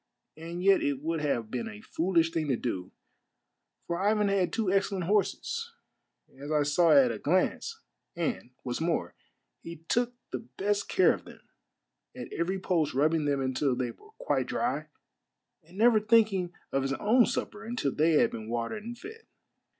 And yet it would have been a foolish thing to do, for Ivan had two excellent horses, as I saw at a glance, and, what's more, he took the best of care of them, at every post rubbing them until they were quite dry, and never thinking of his own supper until they had been watered and fed.